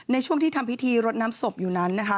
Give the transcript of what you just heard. ในช่วงที่ทำพิธีรดน้ำศพอยู่นั้นนะคะ